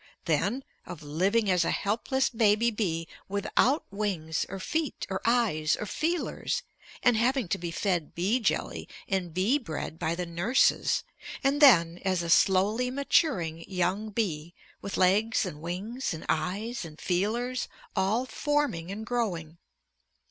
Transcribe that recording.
then of living as a helpless baby bee without wings or feet or eyes or feelers, and having to be fed bee jelly and bee bread by the nurses, and then as a slowly maturing young bee with legs and wings and eyes and feelers all forming and growing.